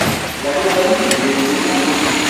La compagnie y était nombreuse.